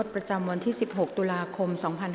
กรรมการท่านที่สามได้แก่กรรมการใหม่เลขหนึ่งค่ะ